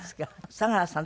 佐良さん